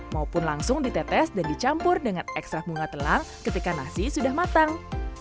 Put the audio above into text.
maupun langsung ditetes dan dicampur dengan ekstra bunga telang ketika nasi sudah matang